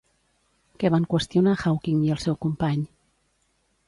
Què van qüestionar Hawking i el seu company?